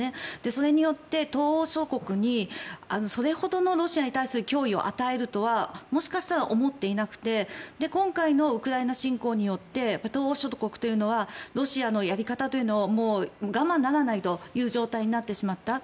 それによって東欧諸国にそれほどのロシアに対する脅威を与えるとはもしかしたら思っていなくて今回のウクライナ侵攻によって東欧諸国というのはロシアのやり方というのを我慢ならないという状態になってしまった。